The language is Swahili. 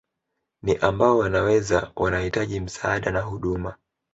Ni ambao wanaweza wanahitaji msaada na huduma